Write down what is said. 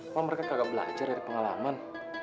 pak mereka kagak belajar dari pengalaman